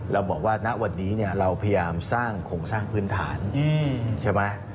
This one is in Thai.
เราบอกว่าณวันนี้เราพยายามสร้างโครงสร้างพื้นฐานใช่ไหม